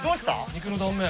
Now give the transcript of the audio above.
肉の断面。